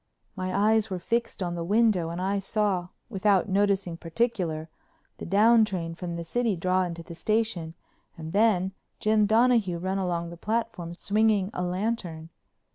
My eyes were fixed on the window and I saw, without noticing particular, the down train from the city draw into the station, and then Jim Donahue run along the platform swinging a lantern.